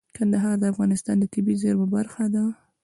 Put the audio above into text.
کندهار د افغانستان د طبیعي زیرمو برخه ده.